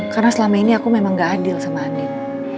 karena selama ini aku memang gak adil sama andin